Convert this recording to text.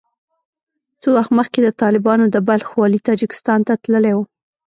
څه وخت مخکې د طالبانو د بلخ والي تاجکستان ته تللی وو